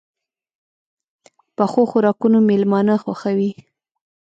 پخو خوراکونو مېلمانه خوښوي